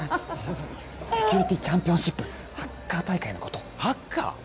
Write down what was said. セキュリティチャンピオンシップハッカー大会のことハッカー？